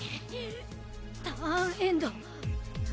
ターンエンド。